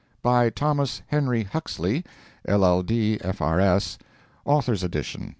By Thomas Henry Huxley, L.L.D., F.R.S. Author's edition.